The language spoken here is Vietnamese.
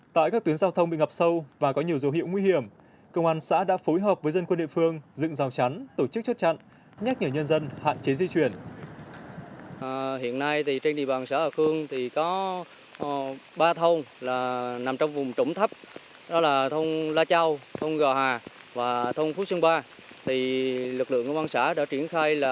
tại các tuyến giao thông bị ngập sâu và có nhiều dấu hiệu nguy hiểm công an xã đã phối hợp với dân quân địa phương dựng rào chắn tổ chức chốt chặn nhắc nhở nhân dân hạn chế di chuyển